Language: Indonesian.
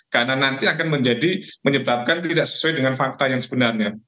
karena nanti akan menjadi menyebabkan tidak sesuai dengan fakta yang sebenarnya